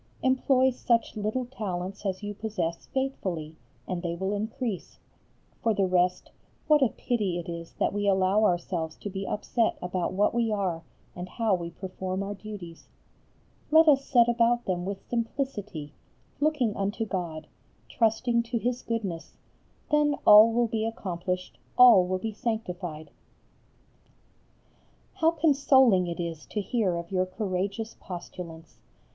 Employ such little talents as you possess faithfully, and they will increase. For the rest what a pity it is that we allow ourselves to be upset about what we are and how we perform our duties. Let us set about them with simplicity, looking unto God, trusting to His goodness, then all will be accomplished, all will be sanctified. How consoling it is to hear of your courageous postulants!